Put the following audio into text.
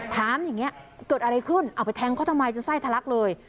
ถามอย่างนี้เกิดอะไรขึ้นเอาไปแทงเขาทำไมจนไส้ทะลักเลย